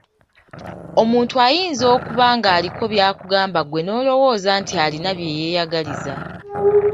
Omuntu ayinza okuba ng'aliko by'akugamba ggwe n'olowooza nti alina bye yeeyagaliza.